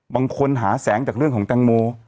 บางคนหาแสงจากเรื่องของแตงโม